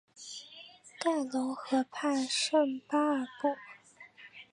盖隆河畔圣巴尔布。